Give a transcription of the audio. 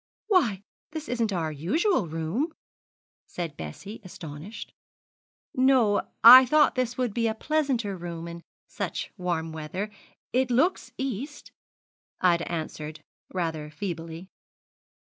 'Why, this isn't our usual room!' said Bessie, astonished. 'No, I thought this would be a pleasanter room in such warm weather. It looks east,' Ida answered, rather feebly.